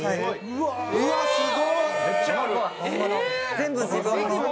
全部自分の。